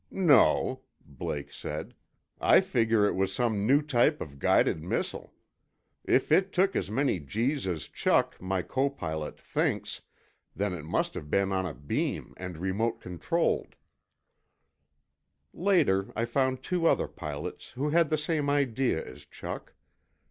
"No," Blake said. "I figure it was some new type of guided missile. If it took as many G's as Chuck, my copilot, thinks, then it must have been on a beam and remote controlled." Later, I found two other pilots who had the same idea as Chuck.